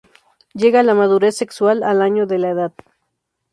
Llega a la madurez sexual al año de edad.